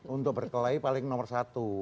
untuk berkelahi paling nomor satu